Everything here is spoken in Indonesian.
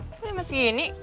kok emang masih gini